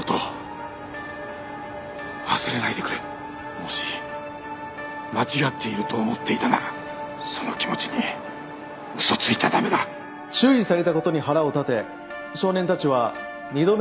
もし間違っていると思っていたならその気持ちに嘘ついちゃ駄目だ注意されたことに腹を立て少年たちは２度目の投石事件を起こした。